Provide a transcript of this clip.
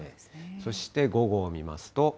そして午後を見ますと。